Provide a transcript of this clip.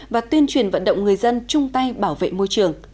và tuyên truyền vận động người dân chung tay bảo vệ môi trường